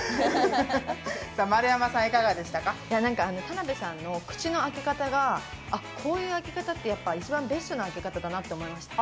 田辺さんの口の開け方が、こういう開け方って一番ベストな開け方だなって思いました。